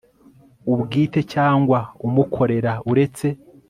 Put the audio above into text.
ubwite cyangwa umukorera uretse